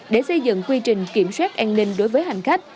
để xây dựng quy trình kiểm soát an ninh đối với hành khách